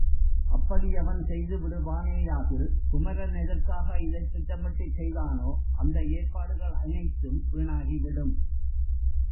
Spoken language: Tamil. அப்படி அவன் செய்துவிடுவானேயாகில் குமரன் எதற்காக இதைத் திட்டமிட்டுச் செய்தானோ அந்த ஏற்பாடுகள் அனைத்தும் வீணாகிவிடும்.